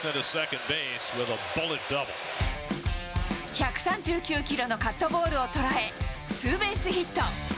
１３９キロのカットボールを捉え、ツーベースヒット。